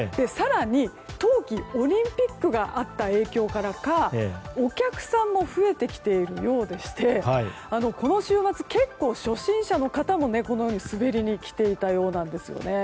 更に、冬季オリンピックがあった影響からかお客さんも増えてきているようでしてこの週末、結構初心者の方も滑りに来ていたようなんです。